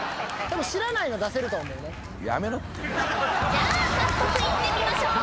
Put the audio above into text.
じゃあ早速いってみましょう。